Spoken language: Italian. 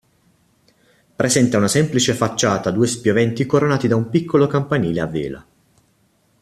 Presenta una semplice facciata a due spioventi coronati da un piccolo campanile a vela.